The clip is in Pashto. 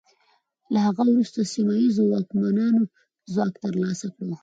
له هغه وروسته سیمه ییزو واکمنانو ځواک ترلاسه کړ.